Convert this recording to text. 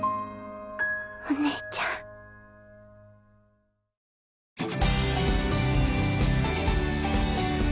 お姉ちゃんハッ。